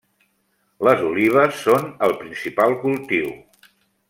Les olives són el principal cultiu.